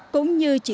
cũng như chị